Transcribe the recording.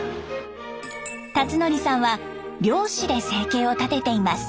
辰徳さんは漁師で生計を立てています。